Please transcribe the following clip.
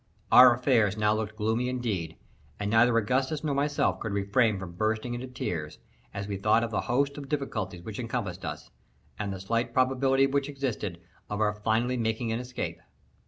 Our affairs now looked gloomy indeed, and neither Augustus nor myself could refrain from bursting into tears, as we thought of the host of difficulties which encompassed us, and the slight probability which existed of our finally making an escape.